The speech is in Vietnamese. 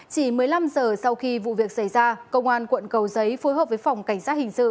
chỉ một mươi năm giờ sau khi vụ việc xảy ra công an quận cầu giấy phối hợp với phòng cảnh sát hình sự